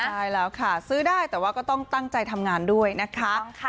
ใช่แล้วค่ะซื้อได้แต่ว่าก็ต้องตั้งใจทำงานด้วยนะคะ